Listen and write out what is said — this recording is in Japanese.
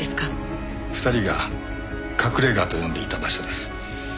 ２人が隠れ家と呼んでいた場所です。